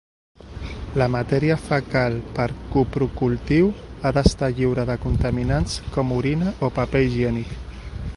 La matèria fecal per coprocultiu ha d'estar lliure de contaminants com orina o paper higiènic.